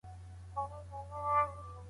تخنيکي بدلونونه به تل ټولنه اغېزمنه کوي.